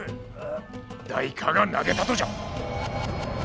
誰かが投げたとじゃ。